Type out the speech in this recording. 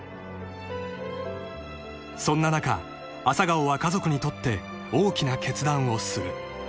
［そんな中朝顔は家族にとって大きな決断をする］